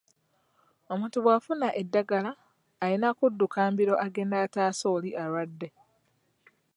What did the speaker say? Omuntu bw'afuna eddagala, alina kudduka mbiro agende ataase omuntu oli alwadde.